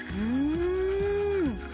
うん！